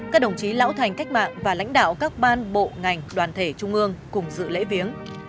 các đồng chí lão thành cách mạng và lãnh đạo các ban bộ ngành đoàn thể trung ương cùng dự lễ viếng